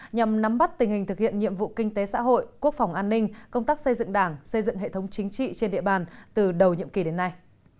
nhằm nắm bắt tình hình thực hiện nhiệm vụ kinh tế xã hội quốc phòng an ninh công tác xây dựng đảng xây dựng hệ thống chính trị trên địa bàn từ đầu nhiệm kỳ đến nay